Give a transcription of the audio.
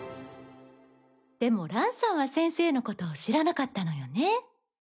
でも蘭さんは先生のことを知らなかったのよね？